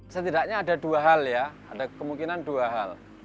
setidaknya ada dua hal ya ada kemungkinan dua hal